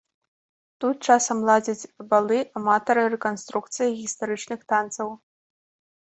Тут часам ладзяць балы аматары рэканструкцыі гістарычных танцаў.